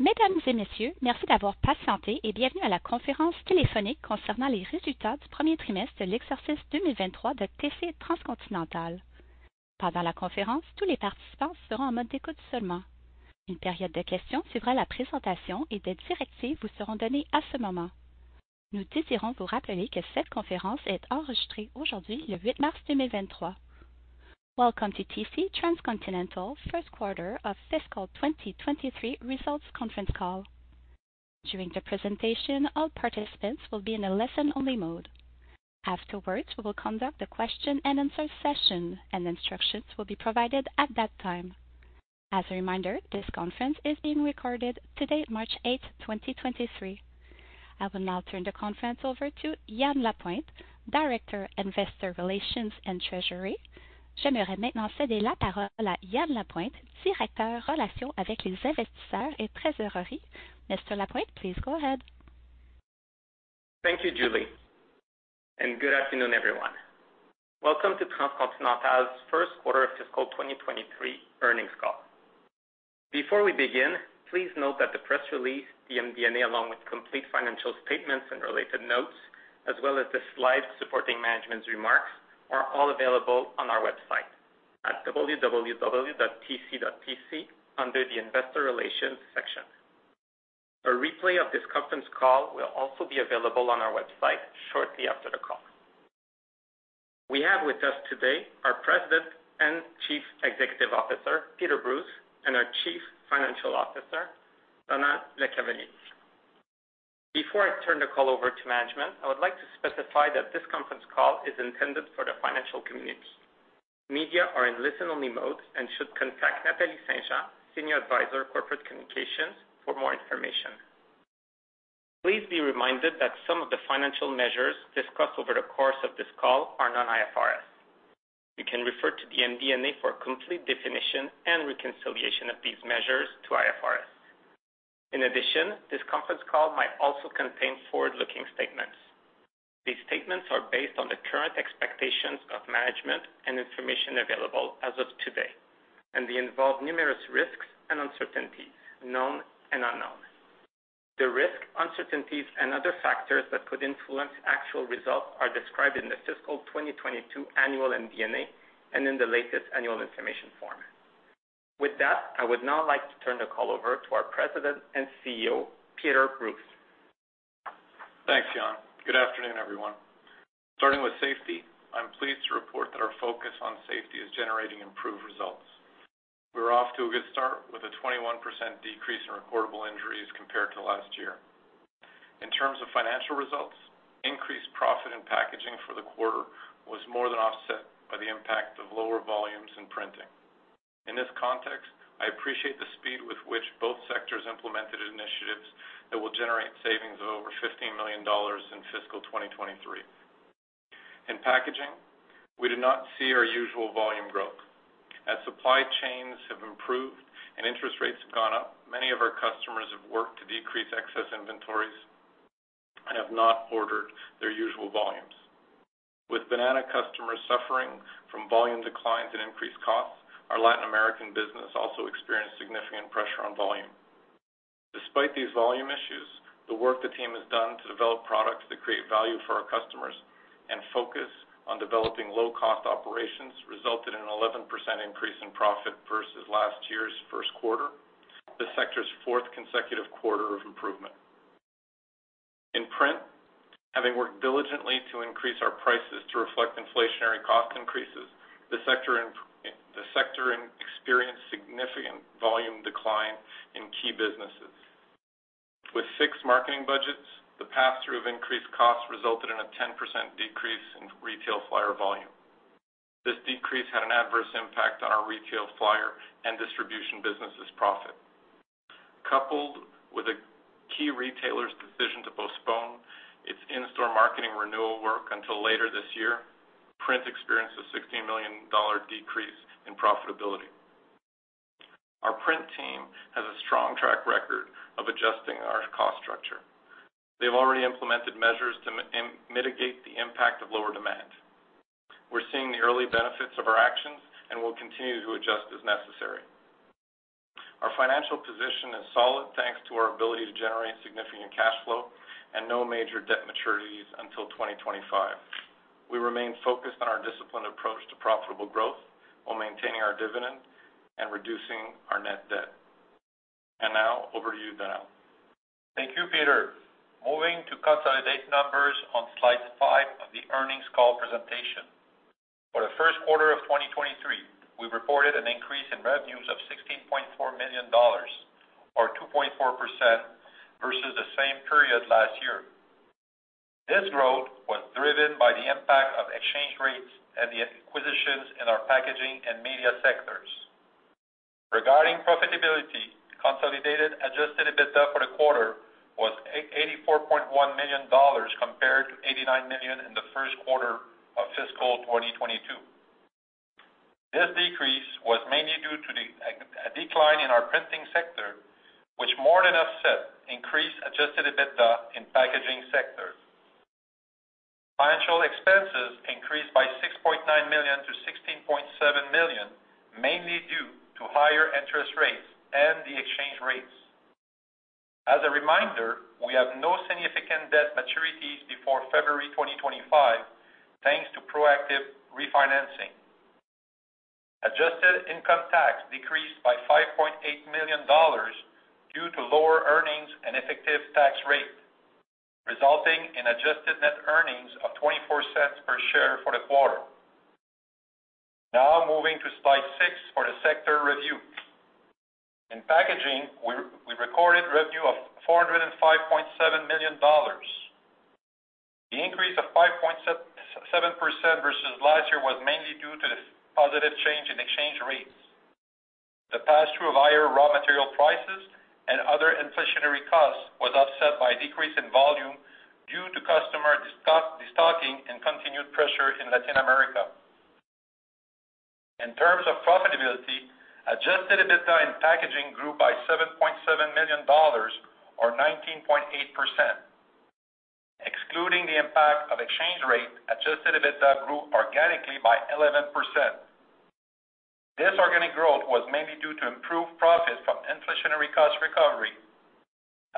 Mesdames et messieurs, merci d'avoir patienté et bienvenue à la conférence téléphonique concernant les résultats du premier trimestre de l'exercice 2023 de TC Transcontinental. Pendant la conférence, tous les participants seront en mode d'écoute seulement. Une période de questions suivra la présentation et des directives vous seront données à ce moment. Nous désirons vous rappeler que cette conférence est enregistrée aujourd'hui, le 8 mars 2023. Welcome to TC Transcontinental first quarter of fiscal 2023 results conference call. During the presentation, all participants will be in a listen-only mode. Afterwards, we will conduct a question-and-answer session and instructions will be provided at that time. As a reminder, this conference is being recorded today, March 8, 2023. I will now turn the conference over to Yan Lapointe, Director, Investor Relations and Treasury. J'aimerais maintenant céder la parole à Yan Lapointe, directeur, Relations avec les investisseurs et trésorerie. Mr. Lapointe, please, go ahead. Thank you, Julie. Good afternoon, everyone. Welcome to Transcontinental's first quarter of fiscal 2023 earnings call. Before we begin, please note that the press release, the MD&A, along with complete financial statements and related notes, as well as the slides supporting management's remarks, are all available on our website at www.tc.tc under the Investor Relations section. A replay of this conference call will also be available on our website shortly after the call. We have with us today our President and Chief Executive Officer, Peter Brues, and our Chief Financial Officer, Donald LeCavalier. Before I turn the call over to management, I would like to specify that this conference call is intended for the financial community. Media are in listen-only mode and should contact Nathalie St-Jean, Senior Advisor, Corporate Communications, for more information. Please be reminded that some of the financial measures discussed over the course of this call are non-IFRS. You can refer to the MD&A for a complete definition and reconciliation of these measures to IFRS. This conference call might also contain forward-looking statements. These statements are based on the current expectations of management and information available as of today, and they involve numerous risks and uncertainties, known and unknown. The risks, uncertainties and other factors that could influence actual results are described in the fiscal 2022 annual MD&A and in the latest annual information form. I would now like to turn the call over to our President and CEO, Peter Brues. Thanks, Yan. Good afternoon, everyone. Starting with safety, I'm pleased to report that our focus on safety is generating improved results. We're off to a good start with a 21% decrease in recordable injuries compared to last year. In terms of financial results, increased profit in packaging for the quarter was more than offset by the impact of lower volumes in printing. In this context, I appreciate the speed with which both sectors implemented initiatives that will generate savings of over $15 million in fiscal 2023. In packaging, we did not see our usual volume growth. As supply chains have improved and interest rates have gone up, many of our customers have worked to decrease excess inventories and have not ordered their usual volumes. With banana customers suffering from volume declines and increased costs, our Latin American business also experienced significant pressure on volume. Despite these volume issues, the work the team has done to develop products that create value for our customers and focus on developing low-cost operations resulted in an 11% increase in profit versus last year's first quarter, the sector's fourth consecutive quarter of improvement. In print, having worked diligently to increase our prices to reflect inflationary cost increases, the sector experienced significant volume decline in key businesses. With fixed marketing budgets, the pass-through of increased costs resulted in a 10% decrease in retail flyer volume. This decrease had an adverse impact on our retail flyer and distribution business' profit. Coupled with a key retailer's decision to postpone its in-store marketing renewal work until later this year, print experienced a $16 million decrease in profitability. Our print team has a strong track record of adjusting our cost structure. They've already implemented measures to mitigate the impact of lower demand. We're seeing the early benefits of our actions and will continue to adjust as necessary. Our financial position is solid thanks to our ability to generate significant cash flow and no major debt maturities until 2025. We remain focused on our disciplined approach to profitable growth while maintaining our dividend and reducing our net debt. Now, over to you, Donald. Thank you, Peter. Moving to consolidated numbers on slide five of the earnings call presentation. For the first quarter of 2023, we reported an increase in revenues of $16.4 million or 2.4% versus the same period last year. This growth was driven by the impact of exchange rates and the acquisitions in our packaging and media sectors. Regarding profitability, consolidated adjusted EBITDA for the quarter was $84.1 million compared to $89 million in the first quarter of fiscal 2022. This decrease was mainly due to a decline in our printing sector, which more than offset increased adjusted EBITDA in packaging sector. Financial expenses: increased by $6.9 million to $16.7 million, mainly due to higher interest rates and the exchange rates. As a reminder, we have no significant debt maturities before February 2025 thanks to proactive refinancing. Adjusted income tax decreased by $5.8 million due to lower earnings and effective tax rate, resulting in adjusted net earnings of $0.24 per share for the quarter. Now moving to slide 6 for the sector review. In packaging, we recorded revenue of $405.7 million. The increase of 5.7% versus last year was mainly due to the positive change in exchange rates. The pass-through of higher raw material prices and other inflationary costs was offset by a decrease in volume due to customer destocking and continued pressure in Latin America. In terms of profitability, adjusted EBITDA in packaging grew by $7.7 million or 19.8%. Excluding the impact of exchange rate, adjusted EBITDA grew organically by 11%. This organic growth was mainly due to improved profits from inflationary cost recovery.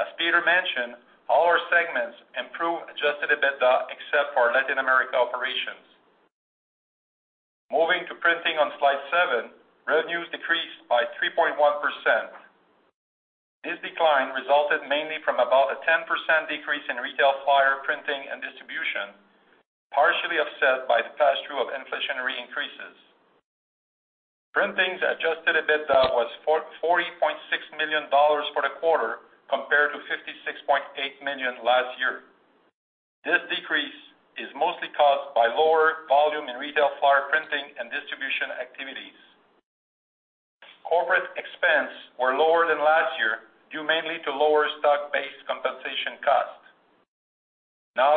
As Peter mentioned, all our segments improved adjusted EBITDA except for Latin America operations. Moving to printing on slide seven, revenues decreased by 3.1%. This decline resulted mainly from about a 10% decrease in retail flyer printing and distribution, partially offset by the pass-through of inflationary increases. Printing's adjusted EBITDA was $40.6 million for the quarter compared to $56.8 million last year. This decrease is mostly caused by lower volume in retail flyer printing and distribution activities. Corporate expense were lower than last year due mainly to lower stock-based compensation costs.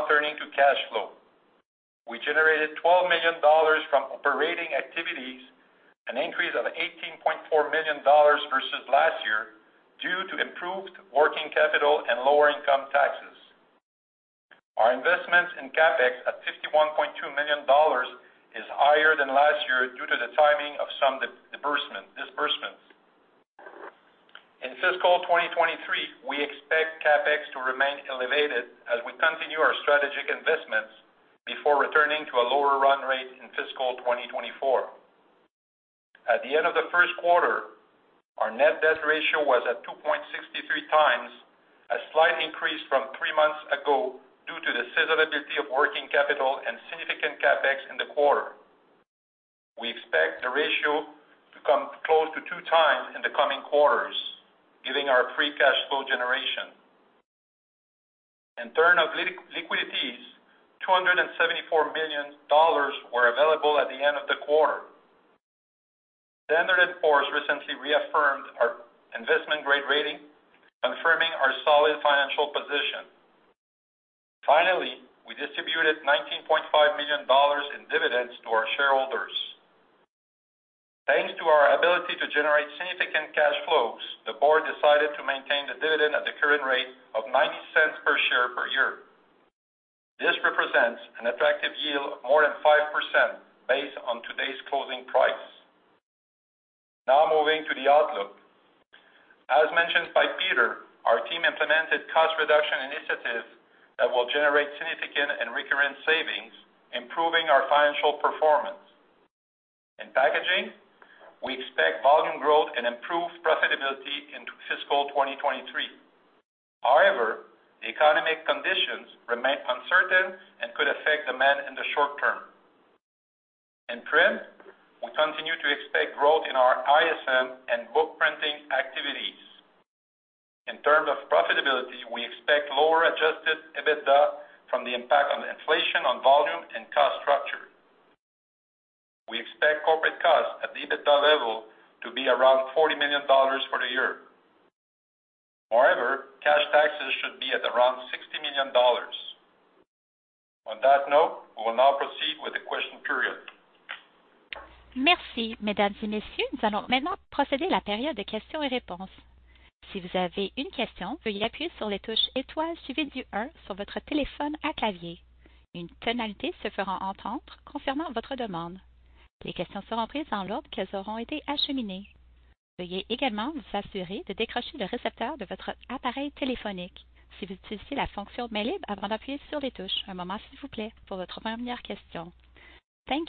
Turning to cash flow. We generated $12 million from operating activities, an increase of $18.4 million versus last year due to improved working capital and lower income taxes. Our investments in CapEx at $51.2 million is higher than last year due to the timing of some disbursements. In fiscal 2023, we expect CapEx to remain elevated as we continue our strategic investments before returning to a lower run rate in fiscal 2024. At the end of the first quarter, our net debt ratio was at 2.63 times, a slight increase from three months ago due to the seasonality of working capital and significant CapEx in the quarter. We expect the ratio to come close to two times in the coming quarters, giving our free cash flow generation. In turn of liquidities, $274 million were available at the end of the quarter. Standard & Poor's recently reaffirmed our investment-grade rating, confirming our solid financial position. We distributed $19.5 million in dividends to our shareholders. Thanks to our ability to generate significant cash flows, the board decided to maintain the dividend at the current rate of $0.90 per share per year. This represents an attractive yield of more than 5% based on today's closing price. Moving to the outlook. As mentioned by Peter, our team implemented cost reduction initiatives that will generate significant and recurrent savings, improving our financial performance. In packaging, we expect volume growth and improved profitability into fiscal 2023. The economic conditions remain uncertain and could affect demand in the short term. In print, we continue to expect growth in our ISM and book printing activities. In terms of profitability, we expect lower adjusted EBITDA from the impact of inflation on volume and cost structure. We expect corporate costs at the EBITDA level to be around $40 million for the year. Moreover, cash taxes should be at around $60 million. On that note, we will now proceed with the question period. Thank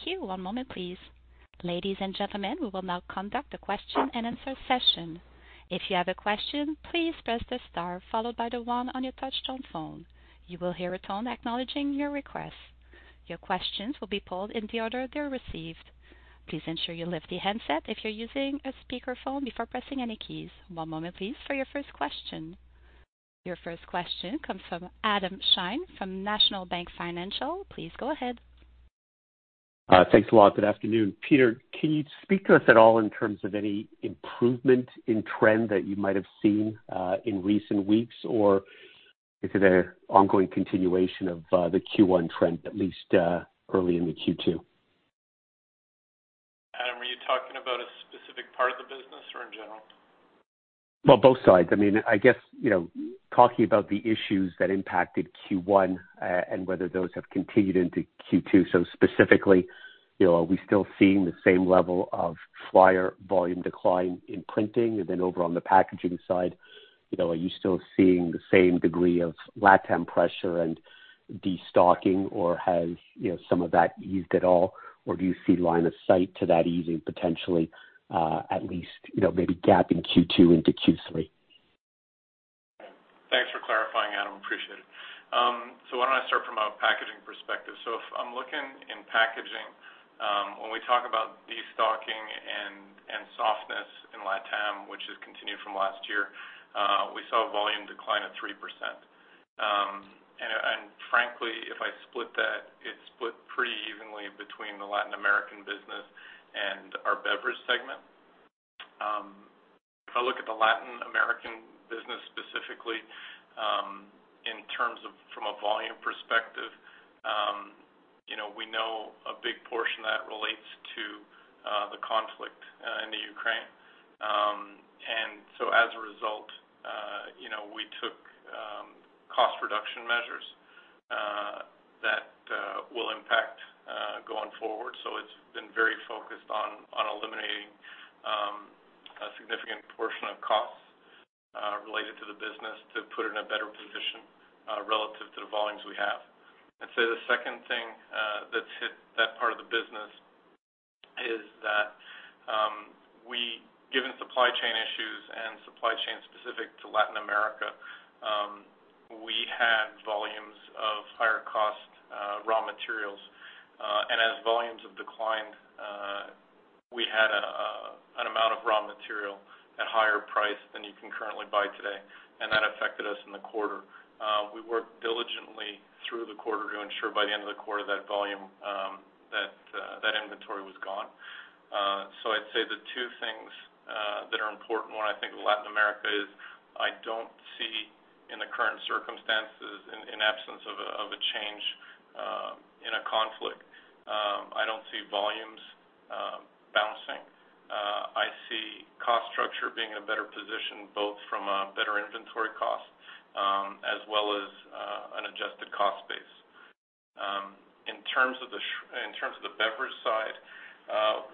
you. One moment, please. Ladies and gentlemen, we will now conduct a question and answer session. If you have a question, please press the star followed by the one on your touch-tone phone. You will hear a tone acknowledging your request. Your questions will be pulled in the order they're received. Please ensure you lift the handset if you're using a speakerphone before pressing any keys. One moment please for your first question. Your first question comes from Adam Shine from National Bank Financial. Please go ahead. Thanks a lot. Good afternoon. Peter, can you speak to us at all in terms of any improvement in trend that you might have seen in recent weeks, or is it an ongoing continuation of the Q1 trend, at least, early in the Q2? Adam, are you talking about a specific part of the business or in general? Well, both sides. I mean, I guess, you know, talking about the issues that impacted Q1, and whether those have continued into Q2. Specifically, you know, are we still seeing the same level of flyer volume decline in printing? Over on the packaging side, you know, are you still seeing the same degree of LatAm pressure and de-stocking, or has, you know, some of that eased at all? Do you see line of sight to that easing potentially, at least, you know, maybe gap in Q2 into Q3? Thanks for clarifying, Adam. Appreciate it. Why don't I start from a packaging perspective. If I'm looking in packaging, when we talk about de-stocking and softness in LatAm, which has continued from last year, we saw a volume decline of 3%. Frankly, if I split that, it split pretty evenly between the Latin American business and our beverage segment. If I look at the Latin American business specifically, in terms of from a volume perspective, you know, we know a big portion of that relates to the conflict in the Ukraine. As a result, you know, we took cost reduction measures that will impact going forward. It's been very focused on eliminating a significant portion of costs related to the business to put it in a better position relative to the volumes we have. I'd say the second thing that's hit that part of the business is that we given supply chain issues and supply chain specific to Latin America, we had volumes of higher cost raw materials. As volumes have declined, we had an amount of raw material at higher price than you can currently buy today, and that affected us in the quarter. We worked diligently through the quarter to ensure by the end of the quarter that volume, that inventory was gone. I'd say the two things that are important when I think of Latin America is I don't see in the current circumstances in absence of a, of a change in a conflict, I don't see volumes bouncing. I see cost structure being in a better position both from a better inventory cost, as well as an adjusted cost base. In terms of the beverage side,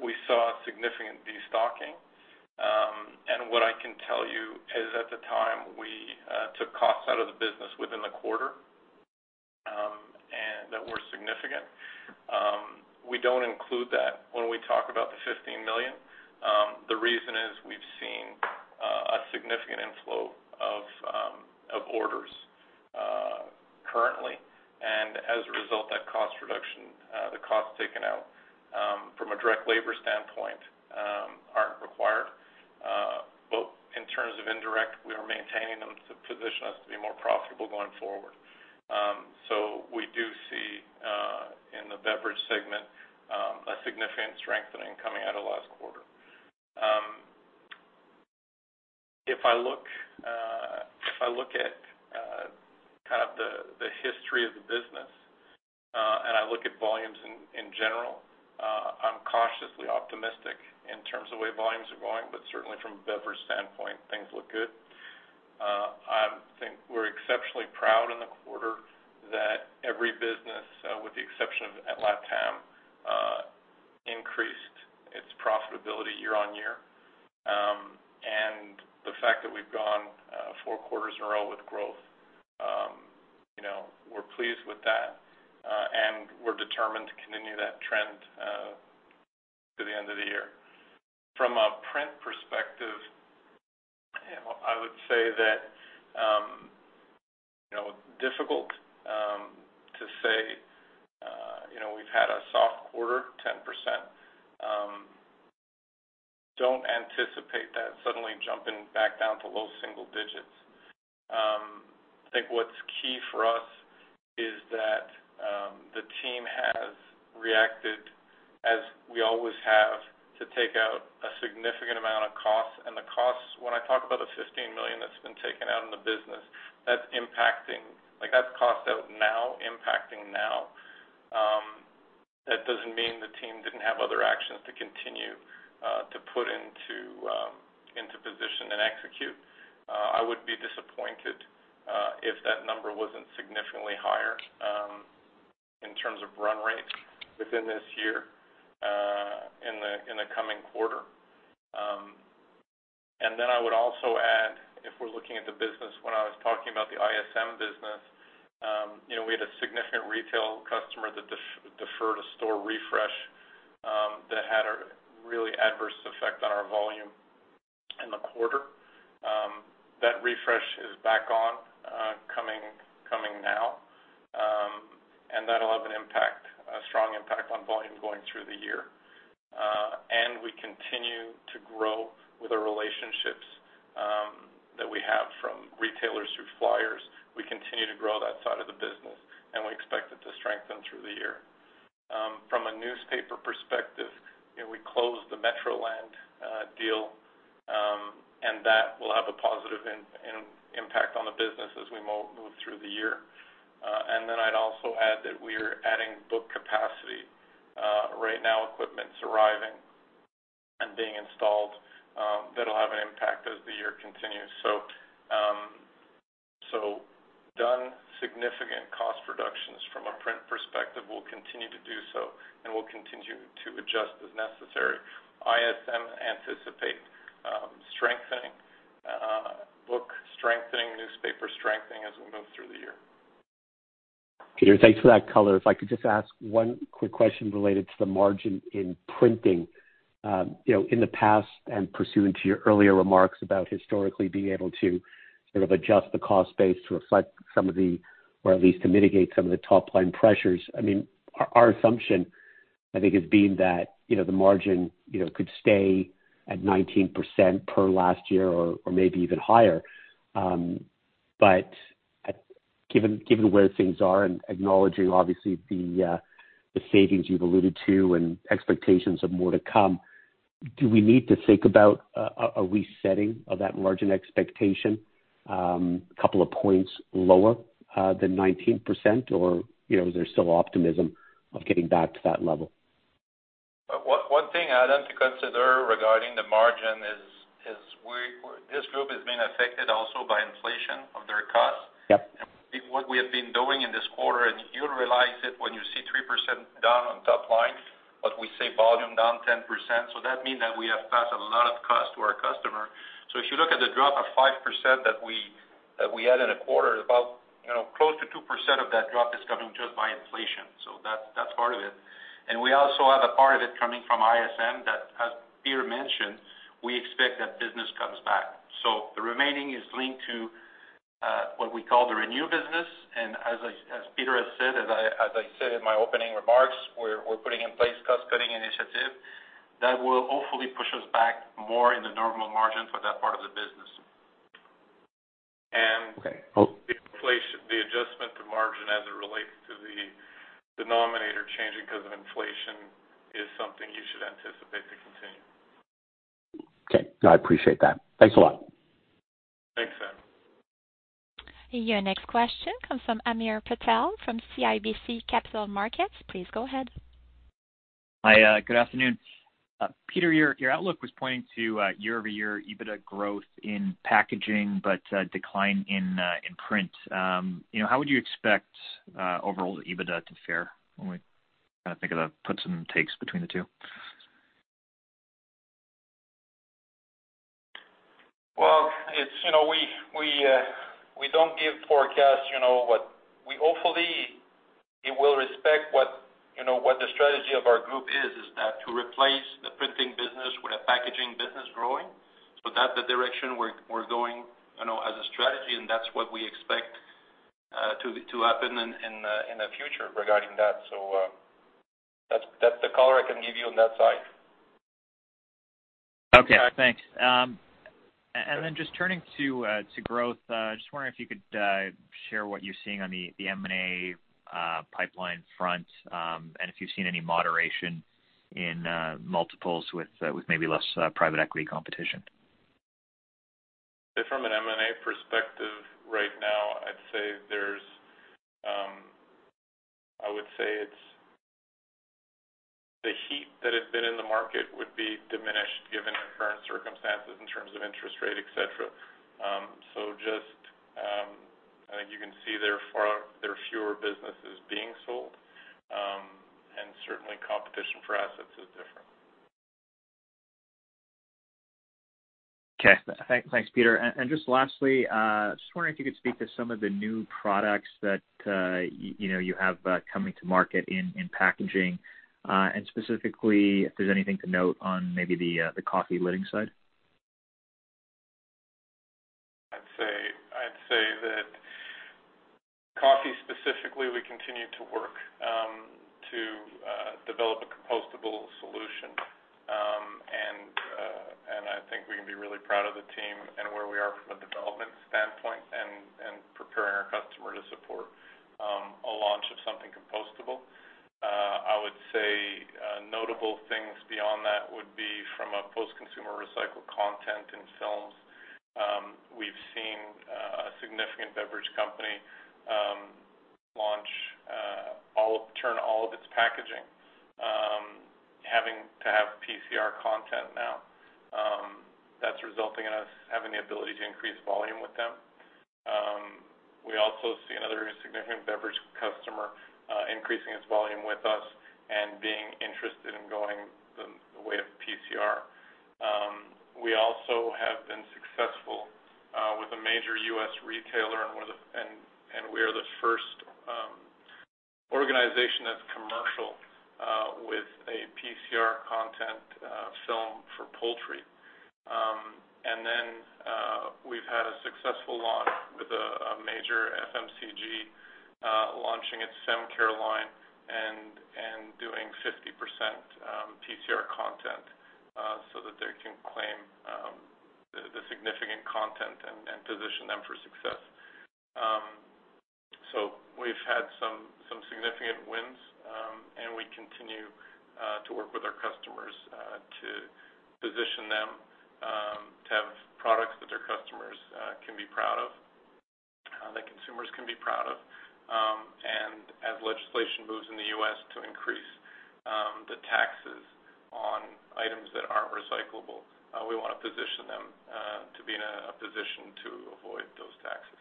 we saw significant de-stocking. What I can tell you is at the time, we took costs out of the business within the quarter, and that were significant. We don't include that when we talk about the $15 million. The reason is we've seen a significant inflow of orders currently. As a result, that cost reduction, the cost taken out from a direct labor standpoint, aren't required. In terms of indirect, we are maintaining them to position us to be more profitable going forward. We do see in the beverage segment a significant strengthening coming out of last quarter. If I look, if I look at kind of the history of the business, and I look at volumes in general, I'm cautiously optimistic in terms of the way volumes are going, but certainly from a beverage standpoint, things look good. I think we're exceptionally proud in the quarter that every business, with the exception of LatAm, increased its profitability year-on-year. The fact that we've gone four quarters in a row with growth, you know, we're pleased with that, and we're determined to continue that trend to the end of the year. From a print perspective, you know, I would say that, you know, difficult to say, you know, we've had a soft quarter, 10%. Don't anticipate that suddenly jumping back down to low single digits. I think what's key for us is that the team has reacted as we always have to take out a significant amount of costs. The costs, when I talk about the $15 million that's been taken out in the business, that's cost out now, impacting now. That doesn't mean the team didn't have other actions to continue to put into position and execute. I would be disappointed if that number wasn't significantly higher in terms of run rate within this year in the coming quarter. Then I would also add, if we're looking at the business, when I was talking about the ISM business, you know, we had a significant retail customer that de-defer to store refresh that had a really adverse effect on our volume in the quarter. That refresh is back on, coming now. That'll have an impact, a strong impact on volume going through the year. We continue to grow with the relationships that we have from retailers through flyers. We continue to grow that side of the business, and we expect it to strengthen through the year. From a newspaper perspective, you know, we closed the Metroland deal. That will have a positive impact on the business as we move through the year. I'd also add that we are adding book capacity. Right now, equipment's arriving and being installed, that will have an impact as the year continues. Done significant cost reductions from a print perspective. We'll continue to do so, and we'll continue to adjust as necessary. ISM anticipate strengthening, book strengthening, newspaper strengthening as we move through the year. Peter, thanks for that color. If I could just ask one quick question related to the margin in printing. you know, in the past and pursuant to your earlier remarks about historically being able to sort of adjust the cost base to reflect some of the, or at least to mitigate some of the top line pressures. I mean, our assumption, I think, has been that, you know, the margin, you know, could stay at 19% per last year or maybe even higher. Given, given where things are and acknowledging obviously the savings you've alluded to and expectations of more to come, do we need to think about a resetting of that margin expectation, a couple of points lower, than 19%? Or, you know, is there still optimism of getting back to that level? One thing, Adam, to consider regarding the margin is this group has been affected also by inflation of their costs. Yep. What we have been doing in this quarter, you realize it when you see 3% down on top line, but we say volume down 10%, that mean that we have passed a lot of cost to our customer. If you look at the drop of 5% that we had in a quarter, about, you know, close to 2% of that drop is coming just by inflation. That's part of it. We also have a part of it coming from ISM that, as Peter mentioned, we expect that business comes back. The remaining is linked to what we call the renew business. As I, as Peter has said, as I said in my opening remarks, we're putting in place cost-cutting initiative that will hopefully push us back more in the normal margin for that part of the business. Okay. The inflation, the adjustment to margin as it relates to the denominator changing 'cause of inflation is something you should anticipate to continue. Okay. No, I appreciate that. Thanks a lot. Thanks, Adam. Your next question comes from Hamir Patel from CIBC Capital Markets. Please go ahead. Hi, good afternoon. Peter, your outlook was pointing to year-over-year EBITDA growth in packaging, but decline in print. you know, how would you expect overall EBITDA to fare when we kind of think of the puts and takes between the two? Well, it's, you know, we don't give forecasts, you know, but we hopefully it will respect what, you know, what the strategy of our group is that to replace the printing business with a packaging business growing. That's the direction we're going, you know, as a strategy, and that's what we expect to happen in the future regarding that. That's the color I can give you on that side. Okay. Thanks. Just turning to growth, just wondering if you could share what you're seeing on the M&A pipeline front, and if you've seen any moderation in multiples with maybe less private equity competition. From an M&A perspective right now, I'd say there's, I would say it's the heat that had been in the market would be diminished given the current circumstances in terms of interest rate, et cetera. Just, I think you can see there there are fewer businesses being sold, and certainly competition for assets is different. Okay. Thanks, Peter. Just lastly, just wondering if you could speak to some of the new products that you know, you have coming to market in packaging, and specifically if there's anything to note on maybe the coffee lidding side. I'd say that coffee specifically, we continue to work to develop a compostable solution. I think we can be really proud of the team and where we are from a development standpoint and preparing our customer to support a launch of something compostable. I would say notable things beyond that would be from a post-consumer recycled content in films. We've seen a significant beverage company launch all of its packaging having to have PCR content now. That's resulting in us having the ability to increase volume with them. We also see another significant beverage customer increasing its volume with us and being interested in going the way of PCR. We also have been successful with a major U.S. retailer and we're the We are the first organization that's commercial with a PCR content film for poultry. We've had a successful launch with a major FMCG launching its skin care line doing 50% PCR content so that they can claim the significant content and position them for success. We've had some significant wins and we continue To have products that their customers can be proud of, that consumers can be proud of. As legislation moves in the U.S. to increase the taxes on items that aren't recyclable, we wanna position them to be in a position to avoid those taxes.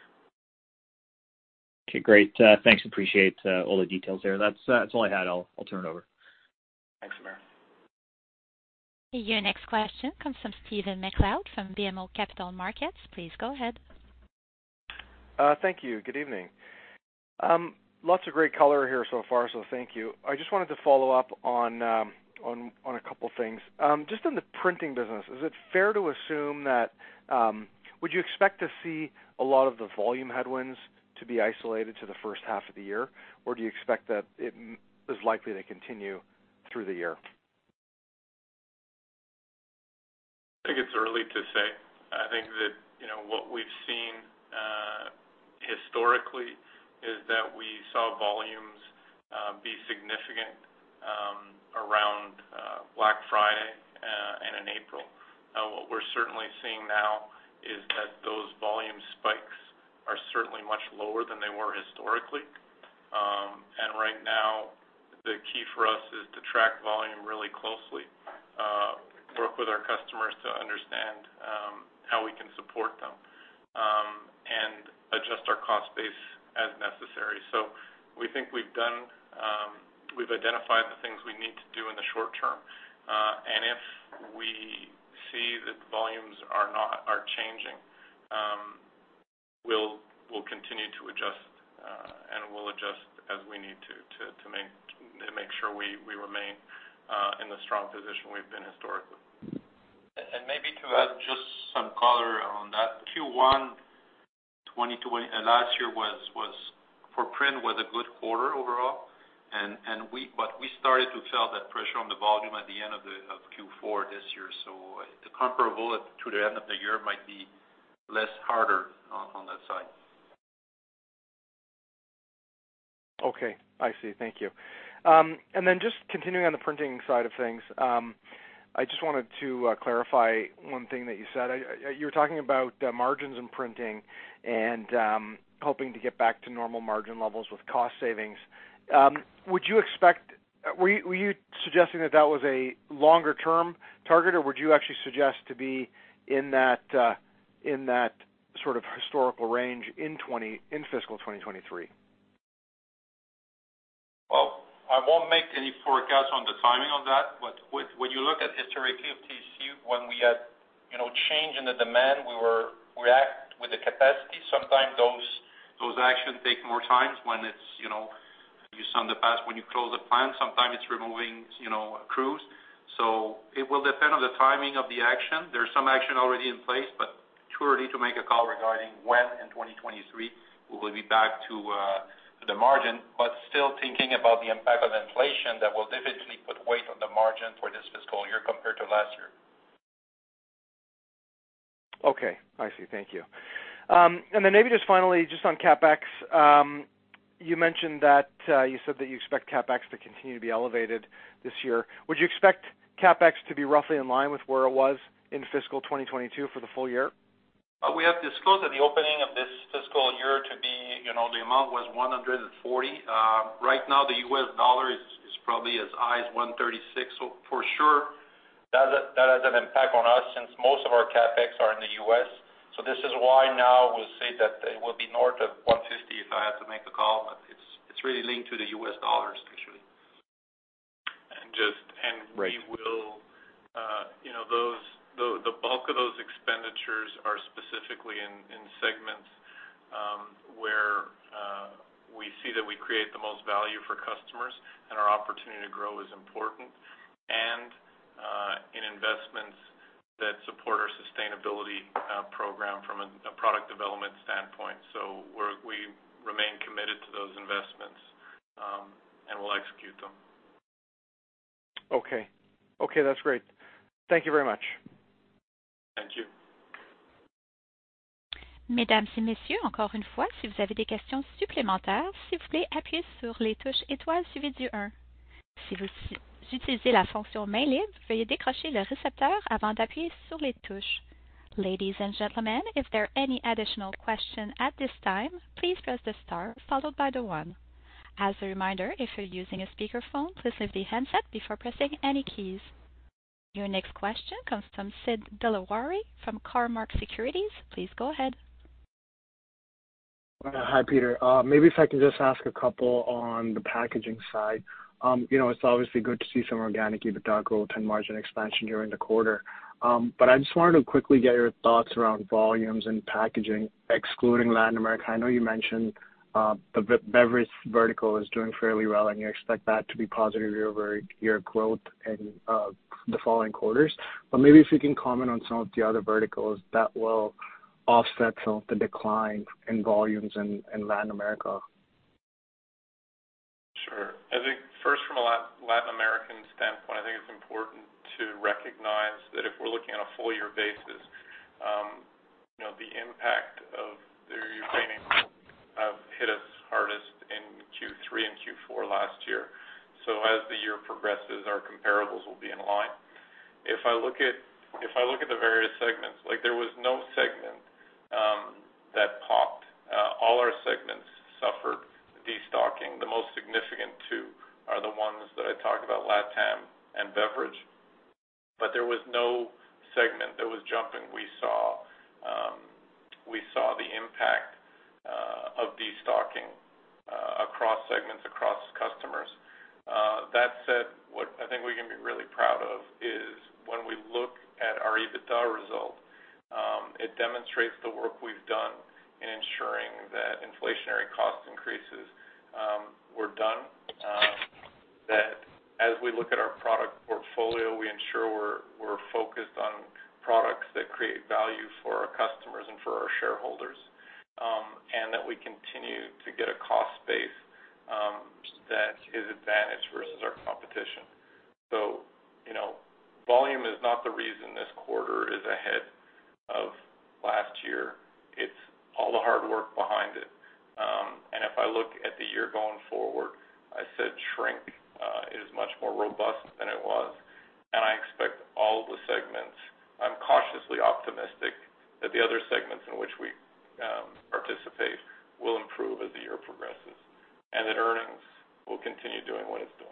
Okay, great. thanks. Appreciate all the details there. That's all I had. I'll turn it over. Thanks, Hamir. Your next question comes from Stephen MacLeod from BMO Capital Markets. Please go ahead. Thank you. Good evening. Lots of great color here so far, so thank you. I just wanted to follow up on a couple things. Just on the printing business, is it fair to assume that would you expect to see a lot of the volume headwinds to be isolated to the first half of the year, or do you expect that it is likely to continue through the year? I think it's early to say. I think that, you know, what we've seen historically is that we saw volumes be significant around Black Friday and in April. What we're certainly seeing now is that those volume spikes are certainly much lower than they were historically. Right now, the key for us is to track volume really closely, work with our customers to understand how we can support them and adjust our cost base as necessary. We think we've done, we've identified the things we need to do in the short term, if we see that the volumes are changing, we'll continue to adjust, and we'll adjust as we need to make sure we remain in the strong position we've been historically. Maybe to add just some color on that. Q1 2020 last year was for print a good quarter overall, we started to feel that pressure on the volume at the end of Q4 this year. The comparable to the end of the year might be less harder on that side. Okay. I see. Thank you. Then just continuing on the printing side of things, I just wanted to clarify one thing that you said. I, you were talking about margins in printing and hoping to get back to normal margin levels with cost savings. Were you suggesting that that was a longer term target, or would you actually suggest to be in that sort of historical range in 20, in fiscal 2023? I won't make any forecast on the timing of that, but when you look at historically of TC, when we had, you know, change in the demand, we were react with the capacity. Sometimes those actions take more times when it's, you know, you saw in the past when you close a plant, sometimes it's removing, you know, crews. It will depend on the timing of the action. There's some action already in place, but too early to make a call regarding when in 2023 we will be back to the margin. Still thinking about the impact of inflation that will definitely put weight on the margin for this fiscal year compared to last year. Okay, I see. Thank you. Maybe just finally, just on CapEx, you mentioned that you said that you expect CapEx to continue to be elevated this year. Would you expect CapEx to be roughly in line with where it was in fiscal 2022 for the full year? We have disclosed at the opening of this fiscal year to be, you know, the amount was $140. Right now the U.S. dollar is probably as high as $1.36. For sure that has an impact on us since most of our CapEx are in the U.S.. This is why now we say that it will be north of $50 if I have to make a call, but it's really linked to the U.S. dollars actually. And just- Right. We will, you know, the bulk of those expenditures are specifically in segments, where we see that we create the most value for customers and our opportunity to grow is important and in investments that support our sustainability program from a product development standpoint. We're, we remain committed to those investments, and we'll execute them. Okay. Okay, that's great. Thank you very much. Thank you. Ladies and gentlemen, if there are any additional question at this time, please press the star followed by the one. As a reminder, if you're using a speakerphone, please lift the handset before pressing any keys. Your next question comes from Sid Dilawari from Cormark Securities. Please go ahead. Hi, Peter. Maybe if I can just ask a couple on the packaging side. You know, it's obviously good to see some organic EBITDA growth and margin expansion during the quarter. I just wanted to quickly get your thoughts around volumes and packaging, excluding Latin America. I know you mentioned the beverage vertical is doing fairly well, and you expect that to be positive year-over-year growth in the following quarters. Maybe if you can comment on some of the other verticals that will offset some of the decline in volumes in Latin America. Sure. I think first from a Latin American standpoint, I think it's important to recognize that if we're looking at a full year basis, you know, the impact progresses, our comparables will be in line. If I look at the various segments, like there was no segment that popped. All our segments suffered destocking. The most significant two are the ones that I talked about, LatAm and beverage. There was no segment that was jumping. We saw the impact of destocking across segments, across customers. That said, what I think we can be really proud of is when we look at our EBITDA result, it demonstrates the work we've done in ensuring that inflationary cost increases were done. That as we look at our product portfolio, we ensure we're focused on products that create value for our customers and for our shareholders, and that we continue to get a cost base that is advantage versus our competition. You know, volume is not the reason this quarter is ahead of last year. It's all the hard work behind it. If I look at the year going forward, I said shrink is much more robust than it was, and I expect all the segments. I'm cautiously optimistic that the other segments in which we participate will improve as the year progresses, and that earnings will continue doing what it's doing.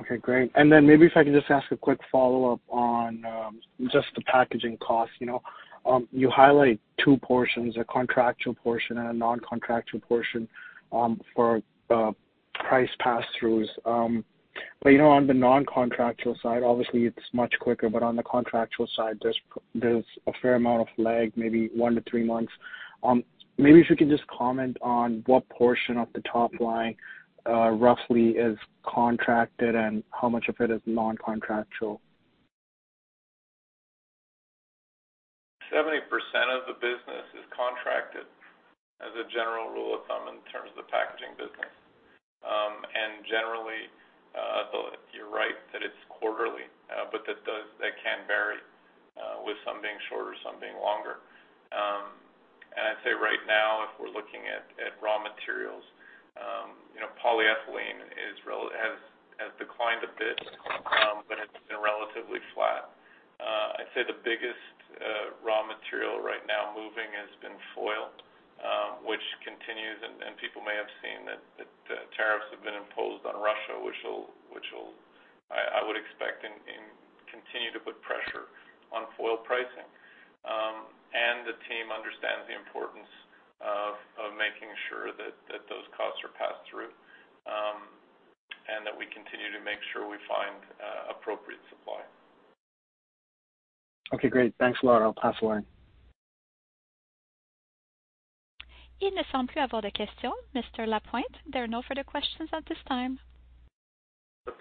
Okay, great. Maybe if I can just ask a quick follow-up on just the packaging cost. You know, I highlight two portions, a contractual portion and a non-contractual portion for price pass-throughs. You know, on the non-contractual side, obviously it's much quicker, on the contractual side, there's a fair amount of lag, maybe one-three months. Maybe if you can just comment on what portion of the top line roughly is contracted and how much of it is non-contractual. 70% of the business is contracted as a general rule of thumb in terms of the packaging business. Generally, though you're right that it's quarterly, but that those, they can vary, with some being shorter, some being longer. I'd say right now, if we're looking at raw materials, you know, polyethylene has declined a bit, but it's been relatively flat. I'd say the biggest raw material right now moving has been foil, which continues, and people may have seen that tariffs have been imposed on Russia, which will, I would expect and continue to put pressure on foil pricing. The team understands the importance of making sure that those costs are passed through, and that we continue to make sure we find appropriate supply. Okay, great. Thanks a lot. I'll pass the line. Mr. Lapointe, there are no further questions at this time.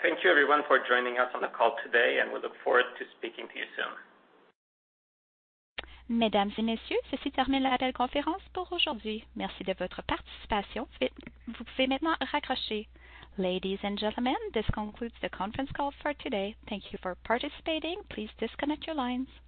Thank you everyone for joining us on the call today, and we look forward to speaking to you soon. Ladies and gentlemen, this concludes the conference call for today. Thank you for participating. Please disconnect your lines.